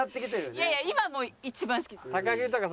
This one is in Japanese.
いやいや今も一番好きです。